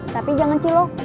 tapi jangan cilok